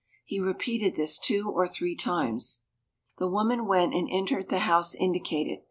He repeated this two or three times. The woman went and entered the house indicated.